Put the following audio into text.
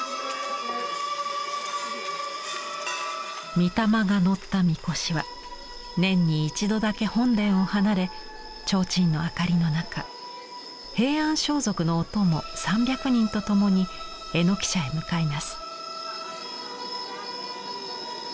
御霊がのった神輿は年に１度だけ本殿を離れ提灯の明かりの中平安装束のお供３００人と共に榎社へ向かいます。